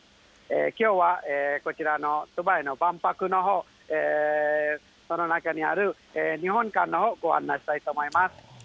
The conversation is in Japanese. きょうはこちらのドバイの万博のほう、その中にある日本館のほうをご案内したいと思います。